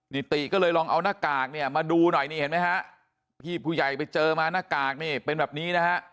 นิติก็เลยลองเอาหน้ากากเนี่ยมาดูหน่อยนี่เห็นไหมฮะพี่ผู้ใหญ่ไปเจอมาหน้ากากนี่เป็นแบบนี้นะฮะ